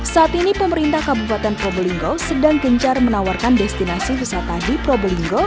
saat ini pemerintah kabupaten probolinggo sedang gencar menawarkan destinasi wisata di probolinggo